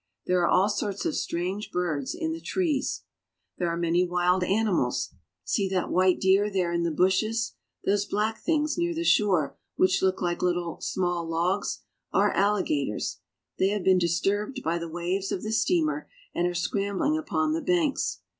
There are all sorts of strange birds in the trees. There are many wild animals. See that white deer there in the bushes. Those black things near the shore, which look like small logs, are alligators. They have been disturbed by the waves of the steamer and are scrambling upon the banks.